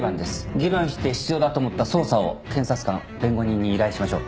議論して必要だと思った捜査を検察官弁護人に依頼しましょう。